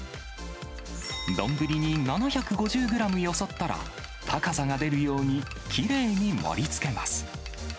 丼に７５０グラムよそったら、高さが出るようにきれいに盛りつけます。